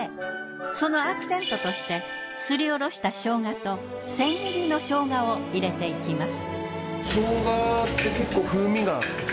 そのアクセントとしてすりおろした生姜と千切りの生姜を入れていきます。